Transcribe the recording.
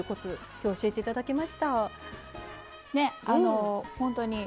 今日、教えていただきました。